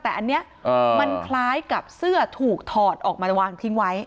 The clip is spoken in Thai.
แต่อันนี้มันคล้ายกับเสื้อถูกถอดออกมาวางทิ้งไว้